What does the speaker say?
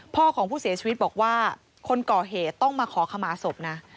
พ่อของผู้เสียชีวิตบอกว่าคนก่อเหตุต้องมาขอขมาศพนะ